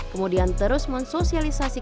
kemudian terus mensosialisasi